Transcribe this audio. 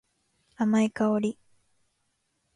甘い香り。